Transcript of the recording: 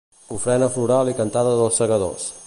Ofrena floral i cantada dels segadors.